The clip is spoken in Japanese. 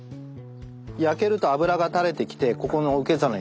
焼けると脂がたれてきてここの受け皿にたまる。